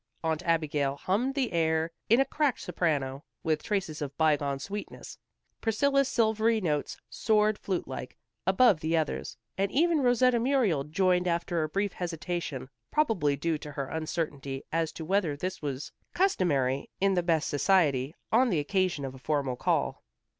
Aunt Abigail hummed the air in a cracked soprano, with traces of bygone sweetness. Priscilla's silvery notes soared flute like above the others, and even Rosetta Muriel joined after a brief hesitation, probably due to her uncertainty as to whether this was customary in the best society, on the occasion of a formal call.